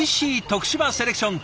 徳島セレクション